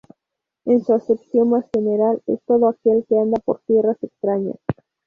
En su acepción más general es todo aquel que anda por tierras extrañas.